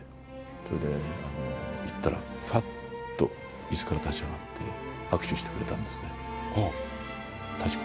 それで行ったら、ふぁっといすから立ち上がって、握手してくれたんですね。